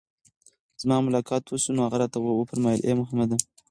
زما ملاقات وشو، نو هغه راته وفرمايل: اې محمد!